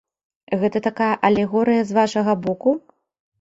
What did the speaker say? Гэта такая алегорыя з вашага боку?